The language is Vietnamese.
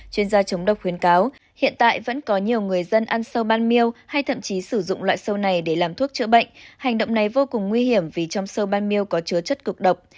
chuyên gia chống độc khuyến cáo hiện tại vẫn có nhiều người dân ăn sâu ban miêu hay thậm chí sử dụng loại sâu này để làm thuốc chữa bệnh hành động này vô cùng nguy hiểm vì trong sâu ban mail có chứa chất cực độc